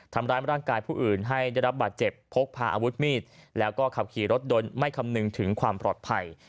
ทำร้ายร่างกายผู้อื่นให้ได้รับบาดเจ็บพกพาอาวุธมีดแล้วก็ขับขี่รถยนต์ไม่คำนึงถึงความปลอดภัย